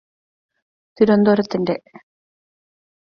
തിരുവനന്തപുരത്തിന്റെ